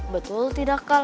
betul tidak kal